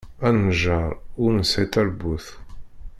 Aneǧǧaṛ ur nesɛi taṛbut!